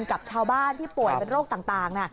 กับชาวบ้านที่ป่วยเป็นโรคต่าง